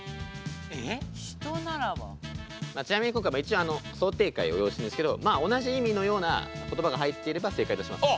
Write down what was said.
ちなみに今回も一応想定解を用意してるんですけど同じ意味のような言葉が入っていれば正解としますんで。